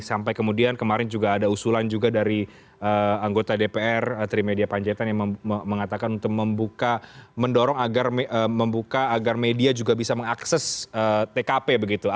sampai kemudian kemarin juga ada usulan juga dari anggota dpr trimedia panjaitan yang mengatakan untuk membuka mendorong agar membuka agar media juga bisa mengakses tkp begitu